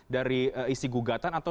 dari isi gugatan atau